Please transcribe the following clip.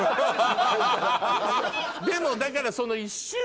でもだからその。